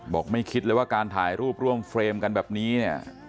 ไม่คิดเลยว่าการถ่ายรูปร่วมเฟรมกันแบบนี้เนี่ย